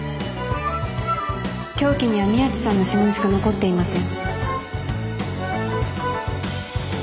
凶器には宮地さんの指紋しか残っていません。